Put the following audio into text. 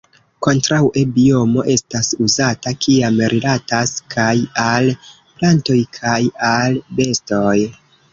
Kontraŭe biomo estas uzata kiam rilatas kaj al plantoj kaj al bestoj.